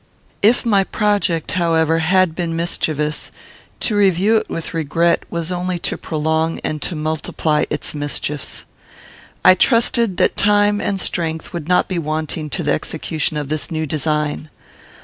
If my project, however, had been mischievous, to review it with regret was only to prolong and to multiply its mischiefs. I trusted that time and strength would not be wanting to the execution of this new design.